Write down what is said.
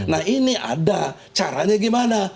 nah ini ada caranya gimana